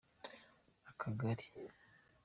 akagari.